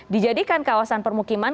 dijadikan kawasan permukiman